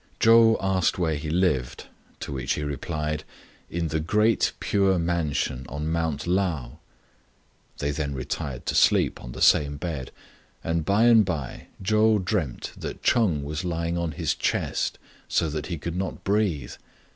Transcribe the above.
Chou asked where he lived, to which he replied, "In the Great Pure Mansion on Mount Lao." They then retired to sleep on the same bed ; and by and by Chou dreamt that Ch'eng was lying on his chest so that he could not breathe.